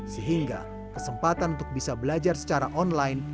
sehingga kesempatan untuk bisa belajar secara online